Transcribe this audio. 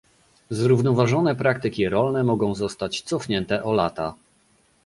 Zrównoważone praktyki rolne mogą zostać cofnięte o lata